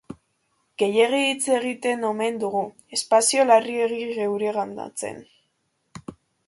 Gehiegi hitz egiten omen dugu, espazio larregi geureganatzen.